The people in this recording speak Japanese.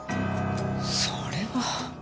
それは。